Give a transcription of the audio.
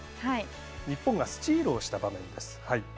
日本がスチールをした場面です。